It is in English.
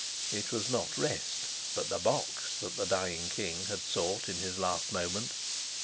It was not rest, but the box that the dying king had sought in his last moment.